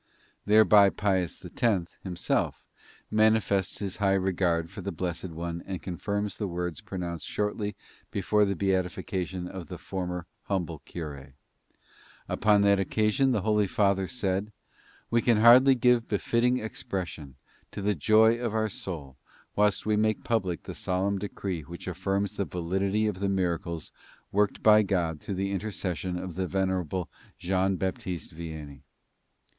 Thereby Pius X, himself, manifests his high regard for the blessed one and confirms the words pronounced shortly before the beatification of the former humble cure. Upon that occasion the Holy Father said: "We can hardly give befitting expression to the joy of our soul whilst we make public the solemn decree which affirms the validity of the miracles worked by God through the intercession of the venerable John Baptist Vianney.